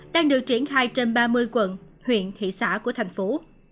đang được triển khai trên ba mươi quận huyện thị xã của thành phố